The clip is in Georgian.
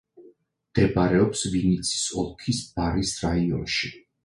მდებარეობს ვინიცის ოლქის ბარის რაიონში.